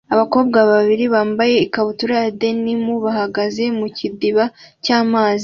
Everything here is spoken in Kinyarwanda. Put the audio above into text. Abakobwa babiri bambaye ikabutura ya denim bahagaze mu kidiba cy'amazi